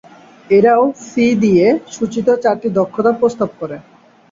এরাও 'সি' দিয়ে সূচিত চারটি দক্ষতা প্রস্তাব করে।